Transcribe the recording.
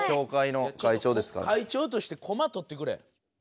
会長として駒とってくれ。